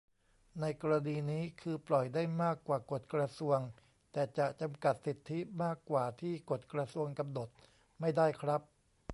ในกรณีนี้คือปล่อยได้มากกว่ากฎกระทรวง แต่จะจำกัดสิทธิมากกว่าที่กฎกระทรวงกำหนดไม่ได้ครับ